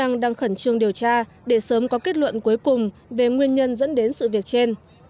cơ quan chức năng khẩn trương điều tra để sớm có kết luận cuối cùng về nguyên nhân dẫn đến sự việc trên